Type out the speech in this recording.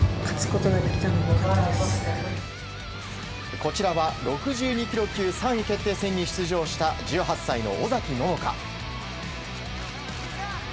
こちらは６２ｋｇ級３位決定戦に出場した１８歳の尾崎野乃香。